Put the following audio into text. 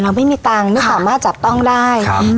เราไม่มีตังค์ค่ะนี่สามารถจัดป้องได้ครับ